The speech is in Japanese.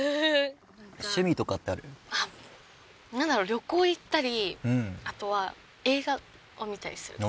旅行行ったりあとは映画を見たりする事が好き。